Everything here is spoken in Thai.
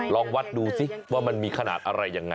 ลองวัดดูสิว่ามันมีขนาดอะไรยังไง